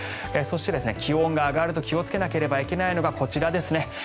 そして、気温が上がると気をつけなくてはいけないのがこちらですね。